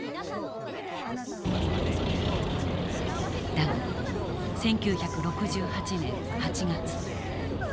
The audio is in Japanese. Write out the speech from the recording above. だが１９６８年８月。